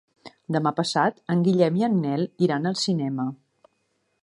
Demà passat en Guillem i en Nel iran al cinema.